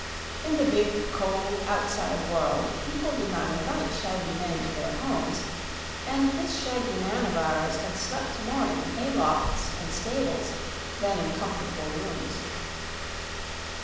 In the big, cold, outside world people did not invite shaggy men to their homes, and this shaggy man of ours had slept more in hay lofts and stables than in comfortable rooms.